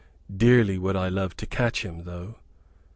Dearly would I love to catch him, though."